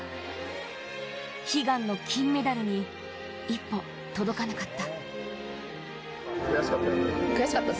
悲願の金メダルに一歩届かなかった。